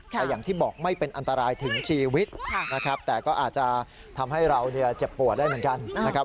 แต่อย่างที่บอกไม่เป็นอันตรายถึงชีวิตนะครับแต่ก็อาจจะทำให้เราเจ็บปวดได้เหมือนกันนะครับ